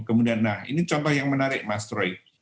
kemudian nah ini contoh yang menarik mas troy